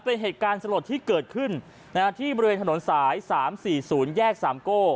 เป็นเหตุการณ์สลดที่เกิดขึ้นที่บริเวณถนนสาย๓๔๐แยกสามโก้